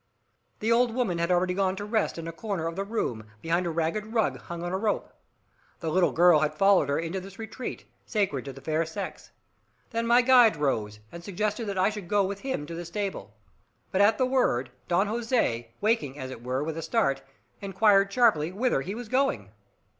The old woman had already gone to rest in a corner of the room, behind a ragged rug hung on a rope. The little girl had followed her into this retreat, sacred to the fair sex. Then my guide rose, and suggested that I should go with him to the stable. But at the word Don Jose, waking, as it were, with a start, inquired sharply whither he was going.